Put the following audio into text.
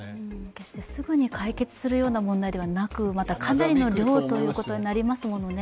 決してすぐに解決するような問題ではなく、またかなりの量ということになりますものね。